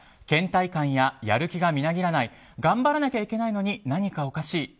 倦怠感や、やる気がみなぎらない頑張らなきゃいけないのに何かおかしい。